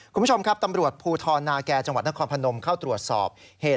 คุณผู้ชมครับตำรวจภูทรนาแก่จังหวัดนครพนมเข้าตรวจสอบเหตุ